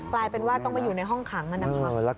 กลายเป็นว่าต้องมาอยู่ในห้องขังนะครับ